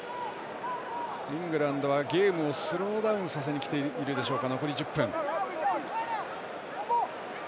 イングランドはゲームをスローダウンさせにきているでしょうか。